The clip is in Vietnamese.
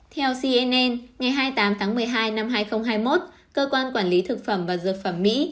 theo cnn ngày hai mươi tám tháng một mươi hai năm hai nghìn hai mươi một cơ quan quản lý thực phẩm và dược phẩm mỹ